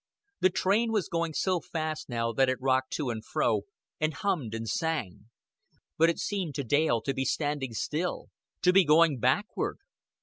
The train was going so fast now that it rocked to and fro, and hummed and sang; but it seemed to Dale to be standing still to be going backward.